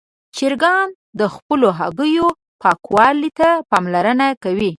چرګان د خپلو هګیو پاکوالي ته پاملرنه کوي.